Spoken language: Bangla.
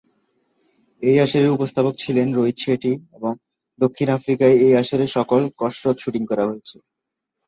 এই আসরের উপস্থাপক ছিলেন রোহিত শেঠী এবং দক্ষিণ আফ্রিকায় এই আসরের সকল কসরত শুটিং করা হয়েছে।